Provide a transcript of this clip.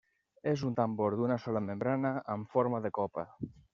És un tambor d'una sola membrana amb forma de copa.